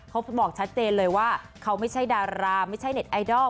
เขาบอกชัดเจนเลยว่าเขาไม่ใช่ดาราไม่ใช่เน็ตไอดอล